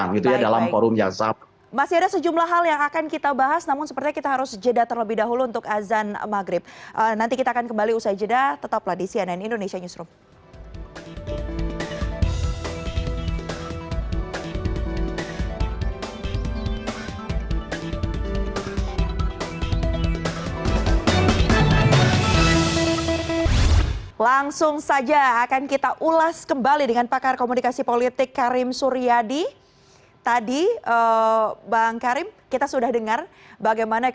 nah sekarang kuotanya akan terpenuhi nggak